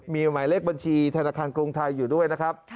มีหมายเลขบัญชีธนาคารกรุงไทยอยู่ด้วยนะครับ